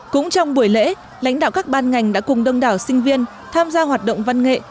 cũng trong buổi lễ lãnh đạo các ban ngành đã cùng đông đảo sinh viên tham gia hoạt động văn nghệ